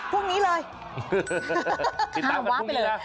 พรุ่งนี้เลย